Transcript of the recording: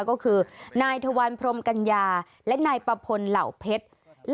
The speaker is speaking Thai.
ก็คือนายทวันพรมกัญญาและนายปะพลเหล่าเพชร